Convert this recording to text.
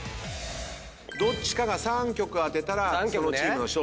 どっちかが３曲当てたらそのチームの勝利です。